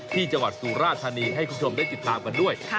ที่จังหวัดสุราธานีให้คุณผู้ชมได้ติดตามกันด้วย